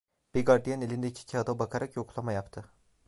Bir gardiyan elindeki kağıda bakarak yoklama yaptı.